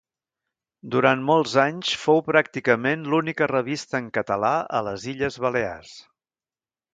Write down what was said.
Durant molts anys fou pràcticament l'única revista en català a les Illes Balears.